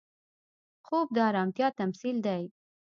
خوب د ارامتیا تمثیل دی